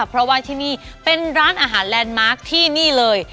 เพราะว่าที่นี่เป็นร้านอาหารแลนด์มาร์คที่นี่เลย